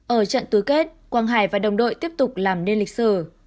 ở trận tứ kết quang hải và đồng đội tiếp tục làm nên lịch sử